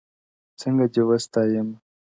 څنگه دي وستايمه _